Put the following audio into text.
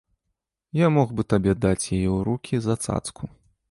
Я мог бы табе даць яе ў рукі за цацку.